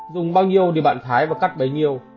dùng bao nhiêu để bạn thái và cắt bấy nhiêu